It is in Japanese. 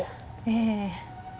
ええ。